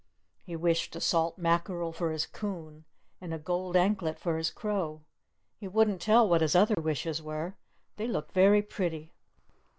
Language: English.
He wished a salt mackerel for his coon. And a gold anklet for his crow. He wouldn't tell what his other wishes were. They looked very pretty!